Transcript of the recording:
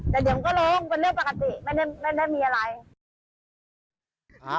แต่เดี๋ยวมันก็ร้องเป็นเรื่องปกติไม่ได้มีอะไร